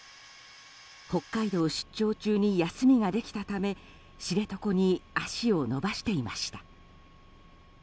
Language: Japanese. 北海道を出張中に休みができたため知床に足を伸ばしていました。